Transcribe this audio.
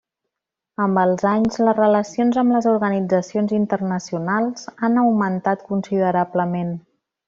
Amb els anys, les relacions amb les organitzacions internacionals han augmentat considerablement.